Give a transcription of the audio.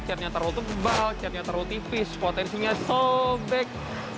catnya taruh tebal catnya taruh tipis potensinya sobek